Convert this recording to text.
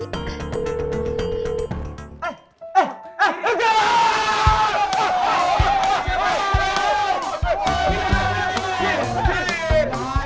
gimanaen nih ya teret versi yang penting